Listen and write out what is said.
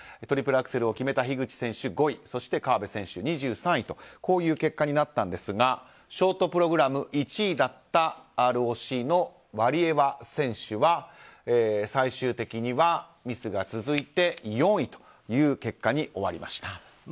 トリプルアクセルを決めた樋口選手５位そして河辺選手２３位とこういう結果になったんですがショートプログラム１位だったＲＯＣのワリエワ選手は最終的にはミスが続いて４位という結果に終わりました。